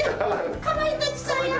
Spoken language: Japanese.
かまいたちさんや。